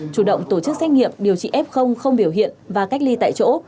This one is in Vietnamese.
chủ động tổ chức xét nghiệm điều trị f không biểu hiện và cách ly tại chỗ